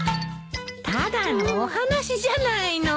ただのお話じゃないの。